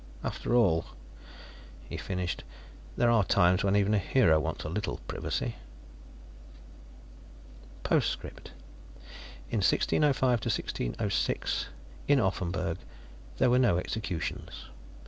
After all," he finished, "there are times when even a hero wants a little privacy." Postscript: _In 1605 1606 (in Offenburg) there were no executions....